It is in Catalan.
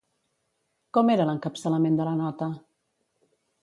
Com era l'encapçalament de la nota?